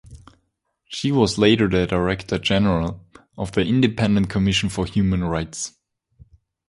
She was later the Director General of The Independent Commission for Human Rights.